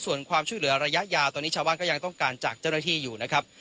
ส่วนความช่วยเหลือระยะยาวตอนนี้ชาวบ้านก็ยังต้องการจากเจ้าหน้าที่อยู่นะครับ